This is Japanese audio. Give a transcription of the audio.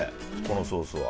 このソースは。